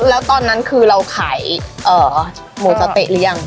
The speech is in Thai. แล้วตอนนั้นคือเราขายหมูสะเต๊ะหรือยัง